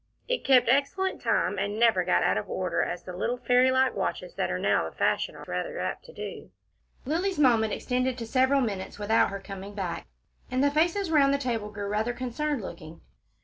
It kept excellent time, and never got out of order as the little fairy like watches that are now the fashion are rather apt to do. Lilly's moment extended to several minutes without her coming back, and the faces round the table grew rather concerned looking.